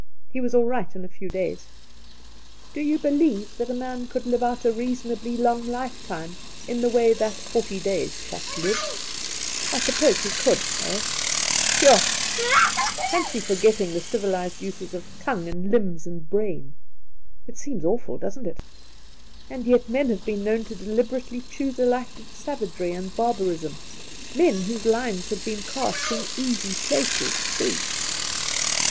He was all right in a few days.' 'Do you believe that a man could live out a reasonably long lifetime in the way that " forty days " chap lived 1 I suppose he could, eh 1 Shoo ! Fancy forgetting the civilized uses' of tongue and limbs and. brain !. It seems awful, doesn't it 1 and yet men have been known to deliberately choose a life of savagery and barbarism — men whose lines had been cast in easy places, too